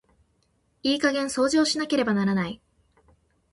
いい加減掃除をしなければならない。